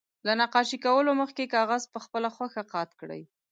له نقاشي کولو مخکې کاغذ په خپله خوښه قات کړئ.